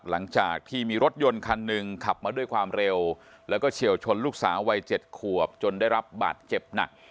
หลังจากที่มีรถยนต์คันหนึ่งขับมาด้วยความเร็วแล้วก็เฉียวชนลูกสาววัย๗ขวบจนได้รับบาดเจ็บหนัก